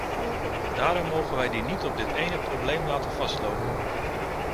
Daarom mogen wij die niet op dit ene probleem laten vastlopen.